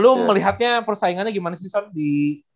lu melihatnya persaingannya gimana sih son di